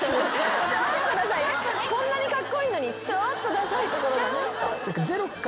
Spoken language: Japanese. こんなにカッコイイのにちょっとダサいところが。